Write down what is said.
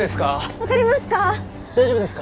分かりますか？